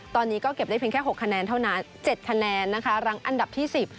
ตอนนี้ก็เก็บได้เพียงแค่๖คะแนนเท่านั้นเจ็ดคะแนนนะคะรั้งอันดับที่สิบ